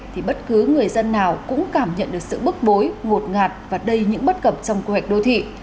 thì bất cứ người dân nào cũng cảm nhận được sự bức bối ngột ngạt và đầy những bất cập trong quy hoạch đô thị